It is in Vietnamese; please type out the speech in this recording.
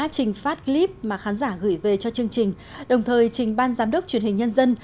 trình phát clip mà khán giả gửi về cho chương trình đồng thời trình ban giám đốc truyền hình nhân dân